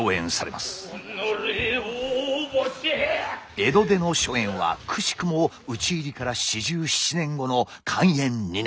江戸での初演はくしくも討ち入りから４７年後の寛延２年。